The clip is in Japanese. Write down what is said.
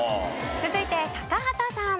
続いて高畑さん。